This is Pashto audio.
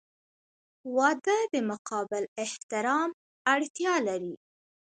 • واده د متقابل احترام اړتیا لري.